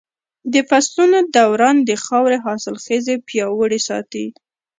د فصلونو دوران د خاورې حاصلخېزي پياوړې ساتي.